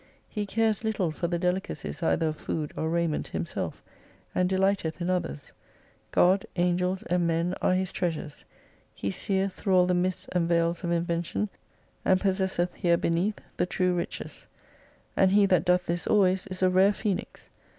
He cares little for the delicacies either of food or raiment himself, and dehghteth in others. God, Angels, and Men are his treasures. He seeth through aU the mists and veils of invention, and possesseth here beneath the true «S9 riches. And he that doth this always is a rare Phoenix.